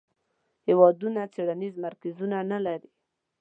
هیوادونه څیړنیز مرکزونه نه لري.